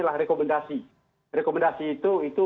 adalah rekomendasi rekomendasi itu